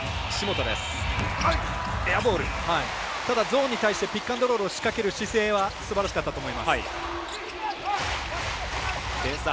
ゾーンに対してピックアンドロールを仕掛ける姿勢はすばらしかったと思います。